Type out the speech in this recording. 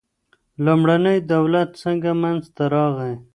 لومړنی دولت څنګه منځ ته راغی.